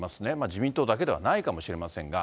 自民党だけではないかもしれませんが。